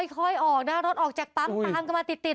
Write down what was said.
ค่อยออกนะรถออกจากปั๊มตามกันมาติด